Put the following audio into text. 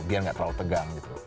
biar nggak terlalu tegang gitu